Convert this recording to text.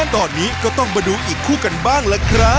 ตอนนี้ก็ต้องมาดูอีกคู่กันบ้างล่ะครับ